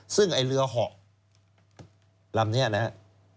ซึ่งไอ้เรือเหาะลำนี้นะครับ